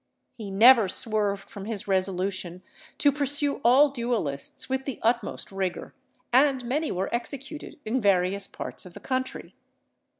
He never swerved from his resolution to pursue all duellists with the utmost rigour, and many were executed in various parts of the country.